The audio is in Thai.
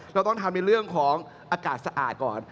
เราต้องทำในเรื่องของอากาศสะอาดก่อน